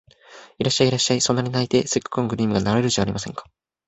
いらっしゃい、いらっしゃい、そんなに泣いては折角のクリームが流れるじゃありませんか